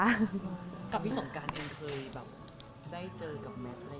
กับพี่สงการเองเคยแบบได้เจอกับแมทอะไรอย่างไรครับ